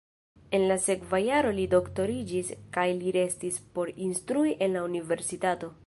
En la sekva jaro li doktoriĝis kaj li restis por instrui en la universitato.